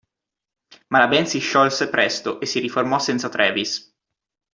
Ma la band si sciolse presto e si riformò senza Travis.